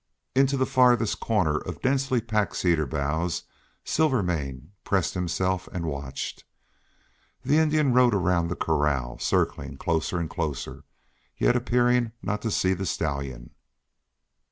Into the farthest corner of densely packed cedar boughs Silvermane pressed himself and watched. The Indian rode around the corral, circling closer and closer, yet appearing not to see the stallion.